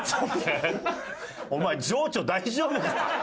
お前情緒大丈夫か？